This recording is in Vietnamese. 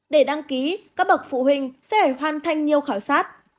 để đăng ký các bậc phụ huynh sẽ phải hoàn thành nhiều khảo sát